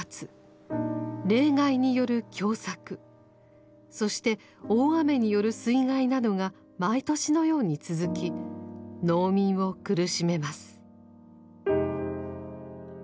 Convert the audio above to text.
冷害による凶作そして大雨による水害などが毎年のように続き農民を苦しめます。